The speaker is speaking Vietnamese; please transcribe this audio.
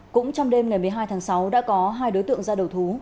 cũng trong đêm ngày một mươi hai tháng sáu đã có hai đối tượng ra đầu thú